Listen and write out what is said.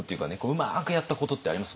うまくやったことってあります？